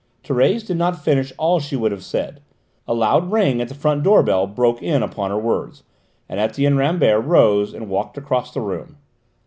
Thérèse did not finish all she would have said. A loud ring at the front door bell broke in upon her words, and Etienne Rambert rose and walked across the room.